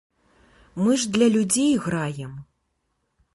Мы ж для людзей граем.